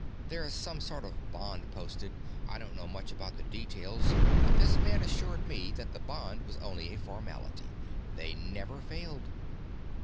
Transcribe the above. There's some sort of bond posted—I don't know much about the details, but this man assured me that the bond was only a formality; they never failed.